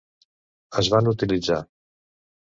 es van utilitzar.